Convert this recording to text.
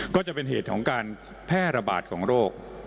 ก็จะเป็นเหตุของการแพร่ระบาดของโรค